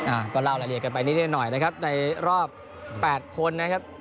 อ่าก็เล่ารายละเอียดกันไปนิดหน่อยนะครับในรอบแปดคนนะครับ